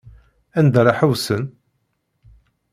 Anda ara ḥewsen.